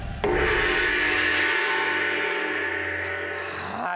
はい。